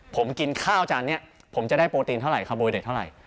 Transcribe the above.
ผมกินข้าวจานนี้ผมจะได้โปรตีนเท่าไหคาโบเด็กเท่าไหร่